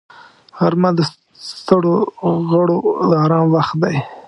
غرمه د ستړو غړو د آرام وخت دی